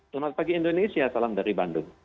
selamat pagi indonesia salam dari bandung